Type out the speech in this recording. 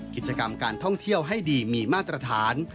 กิจกรรมการท่องเที่ยวให้ดีมีมาตรฐาน